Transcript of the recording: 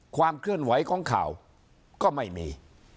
ความเคลื่อนไหวของข่าวก็ไม่มี